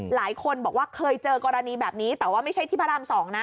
หลายคนบอกว่าเคยเจอกรณีแบบนี้แต่ว่าไม่ใช่ที่พระราม๒นะ